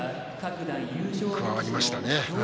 加わりましたね。